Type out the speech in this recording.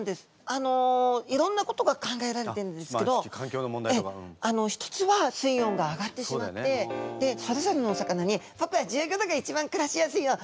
あのいろんなことが考えられてるんですけど一つは水温が上がってしまってでそれぞれのお魚に「ぼくは１５度が一番くらしやすいよ」